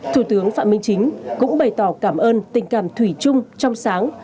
thủ tướng phạm minh chính cũng bày tỏ cảm ơn tình cảm thủy chung trong sáng